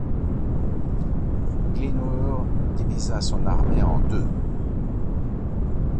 Glyndŵr divisa son armée en deux.